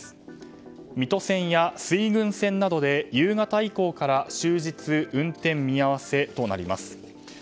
水戸線や水郡線などで夕方以降から終日運転見合わせとなります。